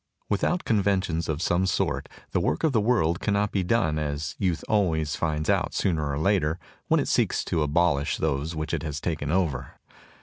Without conventions of some sort the work of the world cannot be done, as youth always finds out sooner or later, when it seeks to abolish those which it has taken over.